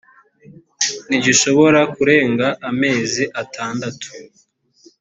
ntigishobora kurenga amezi atandatu